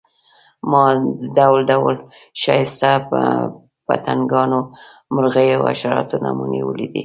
ما د ډول ډول ښایسته پتنګانو، مرغیو او حشراتو نمونې ولیدې.